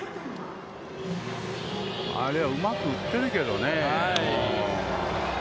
あれはうまく打っているけどね。